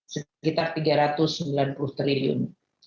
sekitar rp tiga ratus sembilan puluh triliun